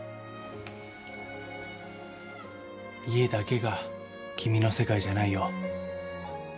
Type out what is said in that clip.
家だけが君の世界じゃないよ